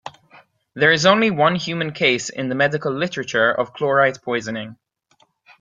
There is only one human case in the medical literature of chlorite poisoning.